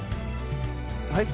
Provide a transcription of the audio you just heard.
はい？